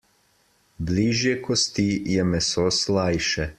Bližje kosti je meso slajše.